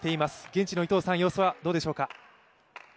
現地の伊藤さん、様子はどうでしょうか。